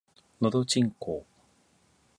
のどちんこぉ